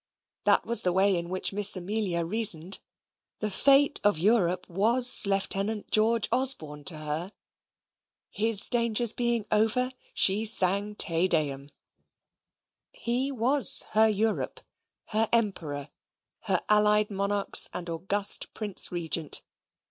That was the way in which Miss Amelia reasoned. The fate of Europe was Lieutenant George Osborne to her. His dangers being over, she sang Te Deum. He was her Europe: her emperor: her allied monarchs and august prince regent.